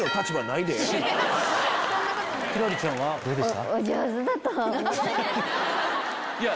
輝星ちゃんはどうでした？